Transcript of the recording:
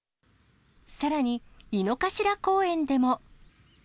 さらに、井の頭公園でも。